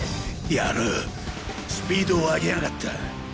野郎スピードを上げやがった。